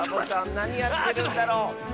なにやってるんだろう？